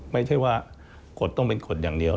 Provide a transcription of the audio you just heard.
ไม่ใช่ว่ากฎต้องเป็นกฎอย่างเดียว